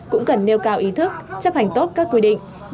cũng cần nêu cao ý thức chấp hành tốt các quy định